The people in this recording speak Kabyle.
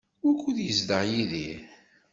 Wukud yezdeɣ Yidir?